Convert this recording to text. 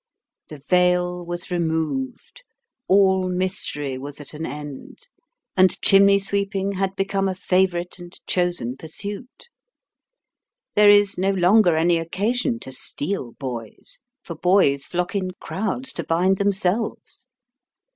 The veil was removed, all mystery was at an end, and chimney sweeping had become a favourite and chosen pursuit. There is no longer any occasion to steal boys ; for boys flock in crowds to bind themselves.